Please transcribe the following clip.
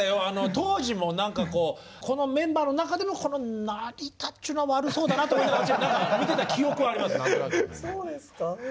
当時もこのメンバーの中でもこの成田っちゅうのは悪そうだなと思いながら見てた記憶はあります。